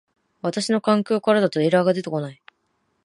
私の環境からだとエラーが出て出来ない